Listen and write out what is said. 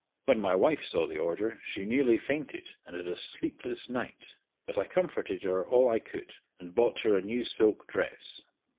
When my wife saw the order she nearly fainted, and had a sleepless night, but I comforted her all I could, and bought her a new silk dress.